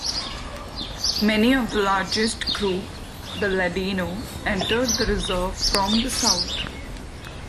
Many of the largest group, the ladino, entered the reserve from the south.